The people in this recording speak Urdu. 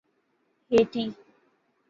ہیٹی